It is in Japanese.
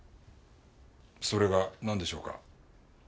それがなんでしょうか？